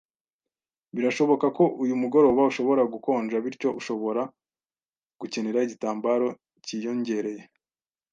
Birashoboka ko uyu mugoroba ushobora gukonja, bityo ushobora gukenera igitambaro cyiyongereye.